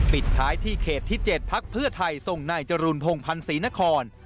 ปิดท้ายที่เขตที่๗พักเพื่อไทยส่งนายจรูนพงพันธ์ศรีนคร